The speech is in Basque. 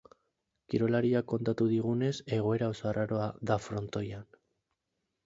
Kirolariak kontatu digunez, egoera oso arraroa da frontoian.